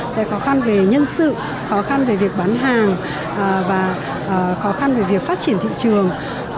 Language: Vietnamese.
sẽ khó khăn về nhân sự khó khăn về việc bán hàng và khó khăn về việc phát triển thị trường